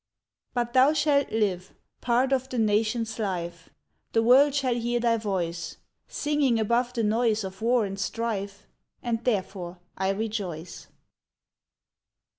But thou shalt live, part of the nation's life; The world shall hear thy voice Singing above the noise of war and strife, And therefore I rejoice!